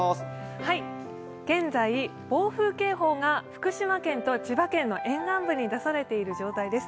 現在、暴風警報が福島県と千葉県の沿岸部に出されている状態です。